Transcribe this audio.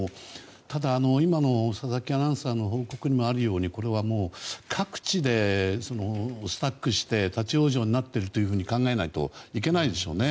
ただ、今の佐々木アナウンサーの報告にもあるようにこれはもう各地でスタックして立ち往生になっていると考えないといけないでしょうね。